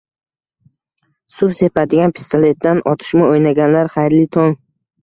Suv sepadigan pistoletdan "otishma" o'ynaganlar, xayrli tong!